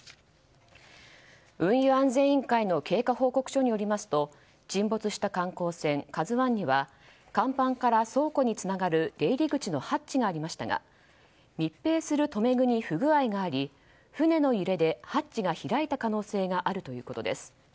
運輸安全委員会の経過報告書によりますと沈没した観光船「ＫＡＺＵ１」には甲板から倉庫につながる出入り口のハッチがありましたが密閉する留め具に不具合があり船の揺れでハッチが開いた可能性があるということです。